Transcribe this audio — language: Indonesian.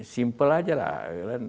simpel aja lah